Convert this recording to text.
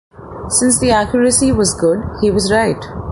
Since the accuracy was good, he was right.